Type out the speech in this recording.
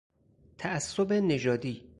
تعصب نژادی